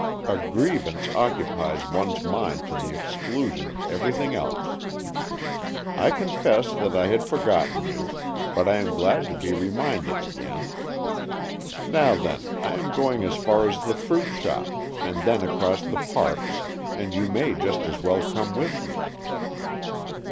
A grievance occupies one's mind to the exclusion of everything else. I confess that I had for gotten you, but I am glad to be reminded again. Now then, I am going as far as the fruit shop, and then across the parks, and you may just as well come with me."